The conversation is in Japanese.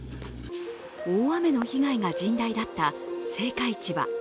大雨の被害が甚大だった青果市場。